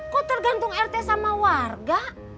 kok tergantung rt sama warga